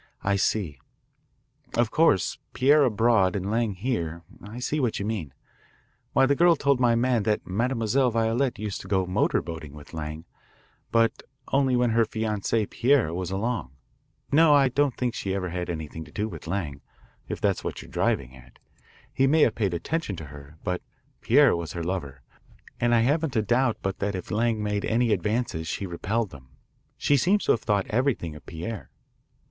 "I see. Of course Pierre abroad and Lang here. I see what you mean. Why, the girl told my man that Mademoiselle Violette used to go motor boating with Lang, but only when her fianc=82, Pierre, was along. No, I don't think she ever had anything to do with Lang, if that's what you are driving at. He may have paid attentions to her, but Pierre was her lover, and I haven't a doubt but that if Lang made any advances she repelled them. She seems to have thought everything of Pierre."